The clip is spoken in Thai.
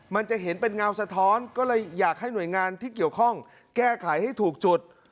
มันจะเห็นเป็นเงาสะท้อนก็เลยอยากให้หน่วยงานที่เกี่ยวข้องแก้ไขให้ถูกจุด